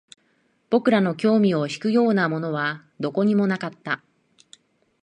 僕らの興味を引くようなものはどこにもなかった